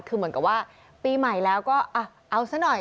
คือเหมือนกับว่าปีใหม่แล้วก็เอาซะหน่อย